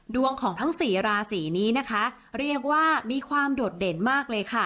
ดวงของทั้งสี่ราศีนี้นะคะเรียกว่ามีความโดดเด่นมากเลยค่ะ